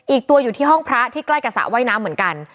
อีกตัวอยู่ที่ห้องพระที่ใกล้กับสระว่ายน้ำเหมือนกัน